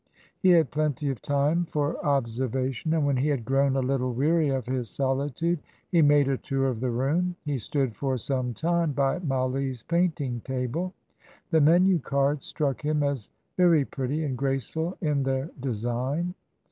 He had plenty of time for observation, and when he had grown a little weary of his solitude, he made a tour of the room. He stood for some time by Mollie's painting table. The menu cards struck him as very pretty and graceful in their design.